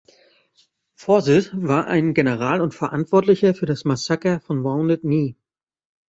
Forsyth war ein General und Verantwortlicher für das Massaker von Wounded Knee.